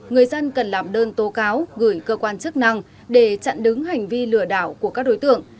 người dân cần làm đơn tố cáo gửi cơ quan chức năng để chặn đứng hành vi lừa đảo của các đối tượng